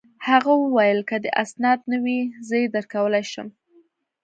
هغه وویل: که دي اسناد نه وي، زه يې درکولای شم.